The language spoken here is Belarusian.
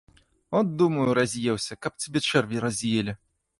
От, думаю, раз'еўся, каб цябе чэрві раз'елі!